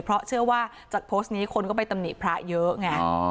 เพราะเชื่อว่าจากโพสต์นี้คนก็ไปตำหนิพระเยอะไง